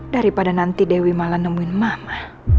daripada nanti dewi malah nemuin mama